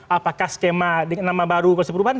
apakah skema dengan nama baru ekosistem perubahan